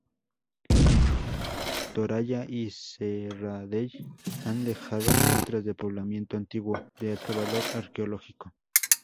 En Toralla y Serradell han dejado muestras de poblamiento antiguo de alto valor arqueológico.